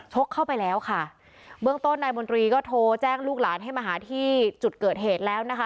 เข้าไปแล้วค่ะเบื้องต้นนายมนตรีก็โทรแจ้งลูกหลานให้มาหาที่จุดเกิดเหตุแล้วนะคะ